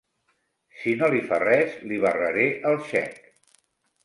Si no li fa res, li barraré el xec.